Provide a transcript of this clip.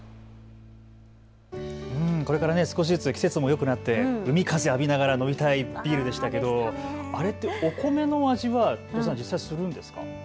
これから少しずつ季節もよくなって海風を浴びながら飲みたいビールでしたけど、あれってお米の味は実際するんですか。